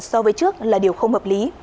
so với trước là điều không hợp lý